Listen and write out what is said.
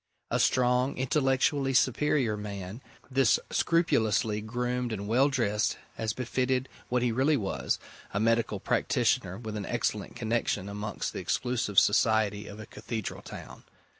A strong, intellectually superior man, this, scrupulously groomed and well dressed, as befitted what he really was a medical practitioner with an excellent connection amongst the exclusive society of a cathedral town.